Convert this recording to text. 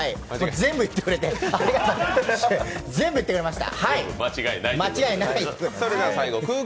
全部言ってくれました。